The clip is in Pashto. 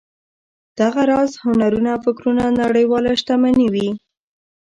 دغه راز هنرونه او فکرونه نړیواله شتمني وي.